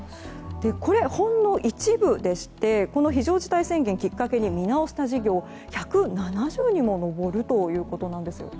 これはほんの一部でしてこの非常事態宣言をきっかけに見直した事業１７０にも上るということです。